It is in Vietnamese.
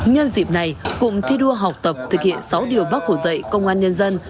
nhân dịp này cụm thi đua học tập thực hiện sáu điều bác hồ dạy công an nhân dân